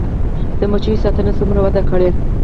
د مچیو ساتنه څومره وده کړې؟